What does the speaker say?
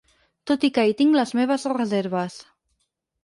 Tot i que hi tinc les meves reserves.